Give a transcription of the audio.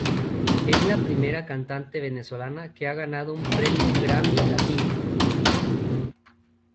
Es la primera cantante venezolana que ha ganado un Premio Grammy Latino.